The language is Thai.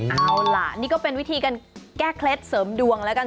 เอาล่ะนี่ก็เป็นวิธีการแก้เคล็ดเสริมดวงแล้วกัน